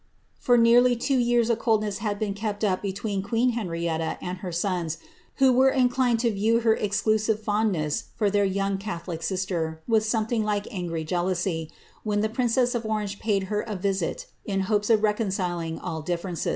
* nearly two years a coldness had been kept up between queen tia and her sons, wlio were inclined to view her exclusive fond ■r their young catholic sister with something like angry jealousy, the princess of Orange paid her a visit in hopes of reconciling all icee.